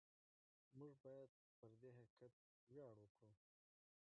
موږ باید پر دې حقیقت ویاړ وکړو.